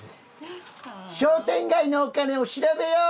商店街のお金を調べよう！